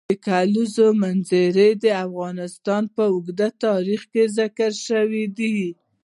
د کلیزو منظره د افغانستان په اوږده تاریخ کې ذکر شوی دی.